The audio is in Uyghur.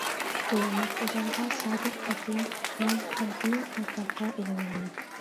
كۆرۈنۈپ ئۇلارغا سادىق پېتى مەن، قەلبىنى قىلتاققا ئىلىۋالىمەن.